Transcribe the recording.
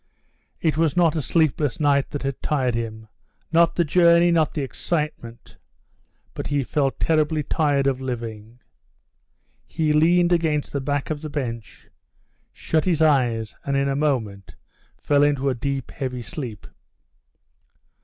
It was not a sleepless night that had tired him, not the journey, not the excitement, but he felt terribly tired of living. He leaned against the back of the bench, shut his eyes and in a moment fell into a deep, heavy sleep.